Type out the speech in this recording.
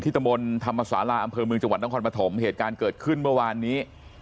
ตะมนต์ธรรมศาลาอำเภอเมืองจังหวัดนครปฐมเหตุการณ์เกิดขึ้นเมื่อวานนี้